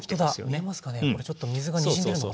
これちょっと水がにじんでるのが。